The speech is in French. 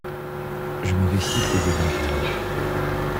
Je me récite les évangiles.